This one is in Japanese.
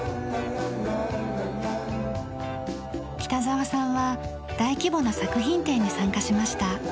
北澤さんは大規模な作品展に参加しました。